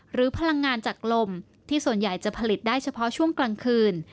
พลังงานจากลมที่ส่วนใหญ่จะผลิตได้เฉพาะช่วงกลางคืน